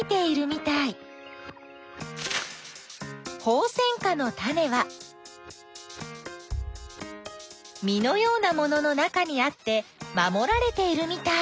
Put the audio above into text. ホウセンカのタネは実のようなものの中にあって守られているみたい。